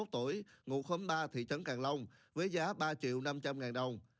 năm mươi một tuổi ngụ khống ba thị trấn càng long với giá ba triệu năm trăm linh ngàn đồng